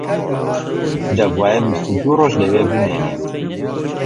دەبوایە بیست و دوو ڕۆژ لەوێ بمێنین